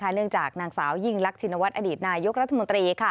เนื่องจากนางสาวยิ่งรักชินวัฒนอดีตนายกรัฐมนตรี